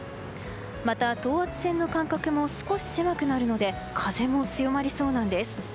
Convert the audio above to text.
また、等圧線の間隔も少し狭くなるので風も強まりそうなんです。